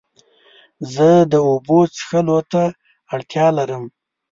زه د اوبو څښلو ته اړتیا لرم.